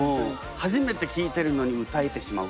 初めて聴いてるのに歌えてしまう。